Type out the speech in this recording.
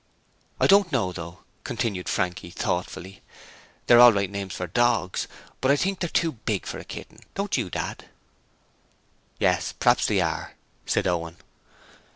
'I don't know, though,' continued Frankie, thoughtfully. 'They're all right names for dogs, but I think they're too big for a kitten, don't you, Dad?' 'Yes, p'raps they are,' said Owen.